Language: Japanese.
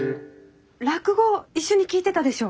落語一緒に聴いてたでしょ。